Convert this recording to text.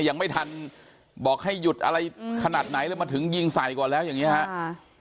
ยังไม่ทันบอกให้หยุดอะไรขนาดไหนแล้วมาถึงยิงใส่ก่อนแล้วอย่างนี้ครับ